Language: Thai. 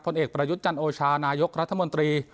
พลเอกบรารยุทธ์จันทร์โอชานายกรัฐมนตรี